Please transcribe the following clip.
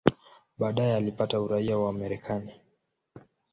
Baadaye alipata uraia wa Marekani.